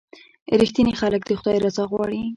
• رښتیني خلک د خدای رضا غواړي.